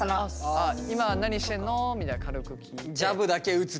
今何してんの？みたいに軽く聞いて。